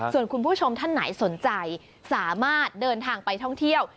ส่วนคุณผู้ชมท่านไหนสนใจสามารถเดินทางไปท่องเที่ยว